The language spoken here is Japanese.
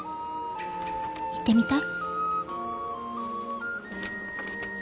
行ってみたい？